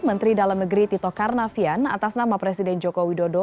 menteri dalam negeri tito karnavian atas nama presiden joko widodo